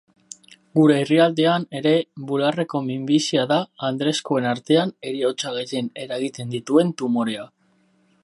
Gure herrialdean ere bularreko minbizia da andrezkoen artean heriotza gehien eragiten dituen tumorea.